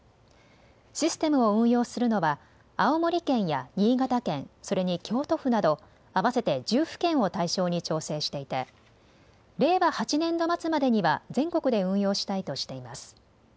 システムを運用するのは青森県や新潟県、それに京都府など合わせて１０府県を対象に調整していて令和８年度末までには全国で運用したいとしています。